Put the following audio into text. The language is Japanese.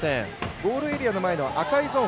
ゴールエリアの赤いゾーン